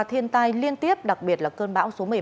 thiên tai liên tiếp đặc biệt là cơn bão số một mươi ba